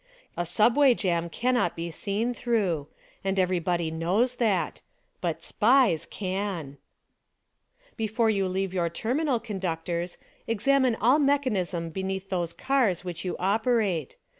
A subway jam cannot be seen through; and everybody knows that ! But SPIES can I Before you leave your terminal, conductors, examine all mechanism be neath those cars which you operate.